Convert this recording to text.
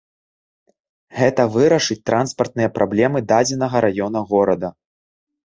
Гэта вырашыць транспартныя праблемы дадзенага раёна горада.